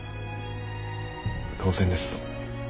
当然です。